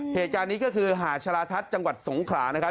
เหตุการณ์นี้ก็คือหาดชะลาทัศน์จังหวัดสงขลานะครับ